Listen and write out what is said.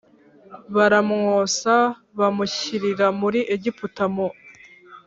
Baramwosa bamushyirira muri Egiputa mu